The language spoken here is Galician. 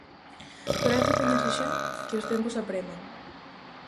Pero hai que poñerse xa que os tempos apreman.